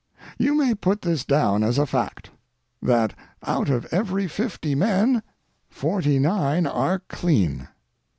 You may put this down as a fact: that out of every fifty men, forty nine are clean.